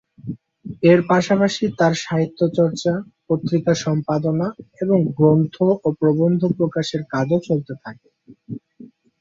এর পাশাপাশি তাঁর সাহিত্যচর্চা, পত্রিকা সম্পাদনা এবং গ্রন্থ ও প্রবন্ধ প্রকাশের কাজও চলতে থাকে।